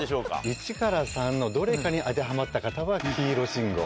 １から３のどれかに当てはまった方は黄色信号。